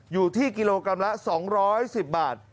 อยู่ที่กิโลกรัมละ๒๑๐บาท